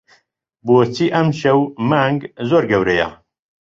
بۆچی ئەمشەو مانگ زۆر گەورەیە؟